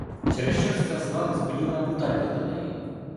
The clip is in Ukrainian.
Через що ж ця зла, несподівана брутальність до неї?